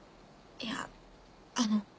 いやあの。